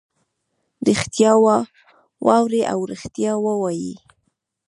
ریښتیا واوري او ریښتیا ووایي.